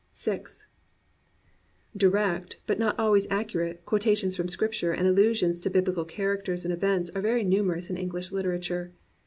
25 COMPANIONABLE BOOKS VI Direct, but not always accurate, quotations from Scripture and allusions to Biblical characters and events are very numerous in English literature.